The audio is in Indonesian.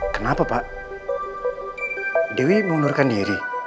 kenapa pak dewi mengundurkan diri